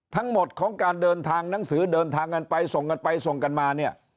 ทั้งหมดของการเดินทางหนังสือเดินทางกันไปส่งกันไปส่งกันมาเนี่ย